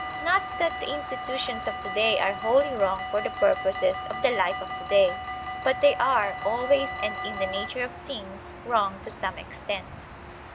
Not that the institutions of today are wholly wrong for the purposes of the life of today, but they are, always and in the nature of things, wrong to some extent.